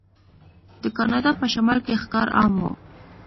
د کاناډا په شمال کې ښکار عام و.